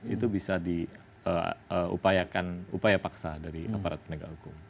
itu bisa diupayakan upaya paksa dari aparat penegak hukum